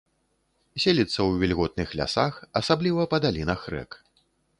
Селіцца ў вільготных лясах, асабліва па далінах рэк.